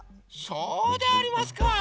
そうでありますか。